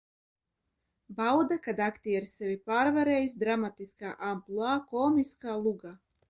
Bauda, kad aktieris sevi pārvarējis dramatiskā ampluā komiskā lugā.